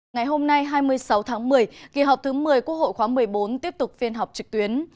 ngày hôm nay hai mươi sáu tháng một mươi kỳ họp thứ một mươi quốc hội khóa một mươi bốn tiếp tục phiên họp trực tuyến